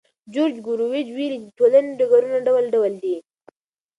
جورج ګوروویچ ویلي چې د ټولنې ډګرونه ډول ډول دي.